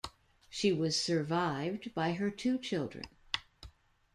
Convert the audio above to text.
She was survived by her two children.